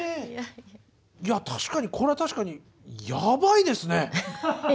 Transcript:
いや確かにこれは確かにヤバイですね。